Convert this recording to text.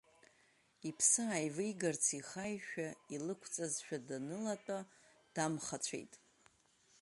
Иԥсы ааивигарц ихы аишәа илықәҵазшәа данылатәа, дамхацәеит.